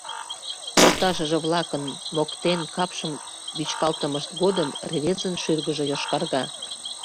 Йолташыже-влакын моктен, капшым вӱчкалтымышт годым рвезын шӱргыжӧ йошкарга.